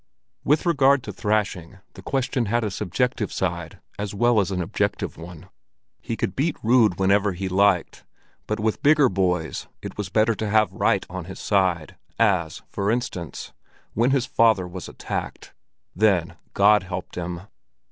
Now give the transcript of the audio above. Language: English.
With regard to thrashing, the question had a subjective side as well as an objective one. He could beat Rud whenever he liked, but with bigger boys it was better to have right on his side, as, for instance, when his father was attacked. Then God helped him.